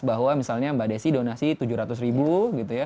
bahwa misalnya mbak desi donasi tujuh ratus ribu